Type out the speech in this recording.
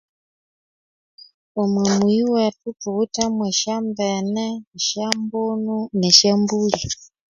Omwa mumuyi wethu thuwithemu esyambene esyambunu nesyambuli